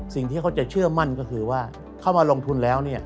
สิ่งที่เขาจะเชื่อมั่นก็คือว่าเข้ามาลงทุนแล้ว